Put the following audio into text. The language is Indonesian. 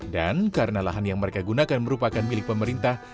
dan karena lahan yang mereka gunakan merupakan milik pemerintah